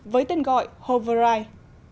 với tên gọi hoverride